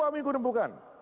dua minggu rebukan